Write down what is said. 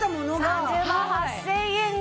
３０万８０００円が。